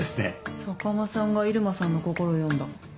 坂間さんが入間さんの心を読んだ。